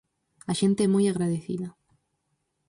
A xente é moi agradecida.